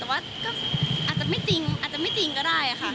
แต่ว่าก็อาจจะไม่จริงอาจจะไม่จริงก็ได้ค่ะ